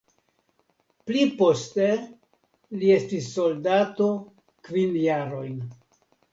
Pli poste li estis soldato kvin jarojn.